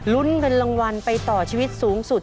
ลุ้นเงินรางวัลไปต่อชีวิตสูงสุด